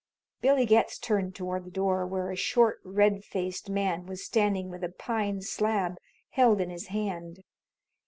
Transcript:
Billy Getz turned toward the door, where a short, red faced man was standing with a pine slab held in his hand.